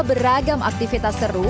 beragam aktivitas seru